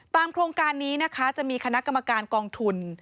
โครงการนี้นะคะจะมีคณะกรรมการกองทุน